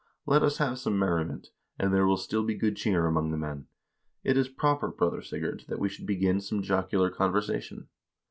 Let us have some merriment, and there will still be good cheer among the men. It is proper, brother Sigurd, that we should begin some jocular conversation.'